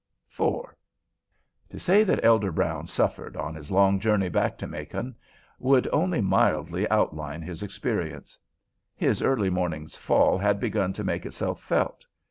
IV To say that Elder Brown suffered on this long journey back to Macon would only mildly outline his experience. His early morning's fall had begun to make itself felt.